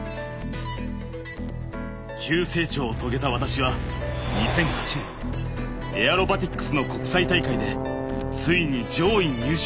急成長を遂げた私は２００８年エアロバティックスの国際大会でついに上位入賞。